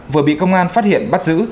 vừa bị công an phát hiện bắt giữ